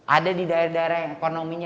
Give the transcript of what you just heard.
ada di daerah daerah yang ekonominya